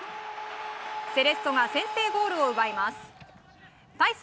セレッソが先制ゴールを奪います。